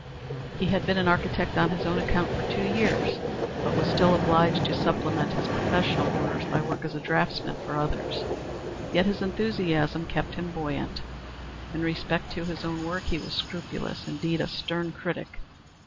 He had been an architect on his own account for two years, but was still obliged to supplement his professional orders by work as a draughtsman for others. Yet his enthusiasm kept him buoyant. In respect to his own work he was scrupulous; indeed, a stern critic.